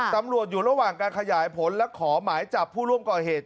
ตำรวจอยู่ระหว่างการขยายผลและขอหมายจับผู้ร่วมก่อเหตุ